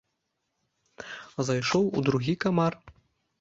Зайшоў у другі камар.